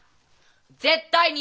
絶対に嫌！